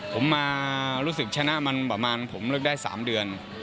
ผมมารู้สึกชนะมันประมาณผมเลือกได้๓เดือน